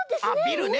ビルね。